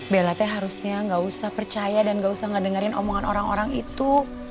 belate harusnya gak usah percaya dan gak usah ngedengerin omongan orang orang itu